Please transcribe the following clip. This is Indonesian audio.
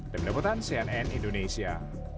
dari deputan cnn indonesia